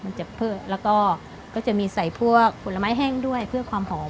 มันจะเพิ่มแล้วก็ก็จะมีใส่พวกผลไม้แห้งด้วยเพื่อความหอม